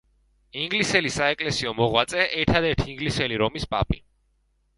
ინგლისელი საეკლესიო მოღვაწე, ერთადერთი ინგლისელი რომის პაპი.